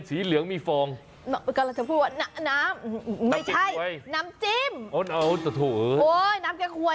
สีเหลืองมีฟองกำลังจะพูดว่าน้ำไม่ใช่น้ำจิ้มโอ้ยน้ำแกควร